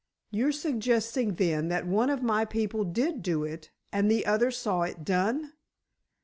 "You're suggesting, then, that one of my people did do it, and the other saw it done?"